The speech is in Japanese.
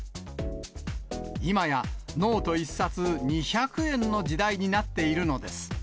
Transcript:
いまやノート１冊２００円の時代になっているのです。